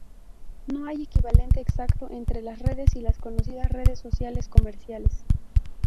No hay un equivalente exacto entre estas redes y las conocidas redes sociales comerciales.